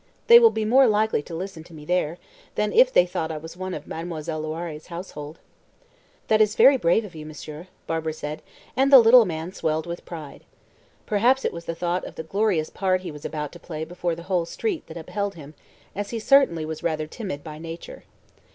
They will be more likely to listen to me there, than if they thought I was one of Mademoiselle Loiré's household." "That is very brave of you, monsieur," Barbara said, and the little man swelled with pride. Perhaps it was the thought of the glorious part he was about to play before the whole street that upheld him, as he certainly was rather timid by nature.